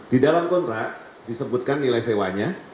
di dalam kontrak disebutkan nilai sewanya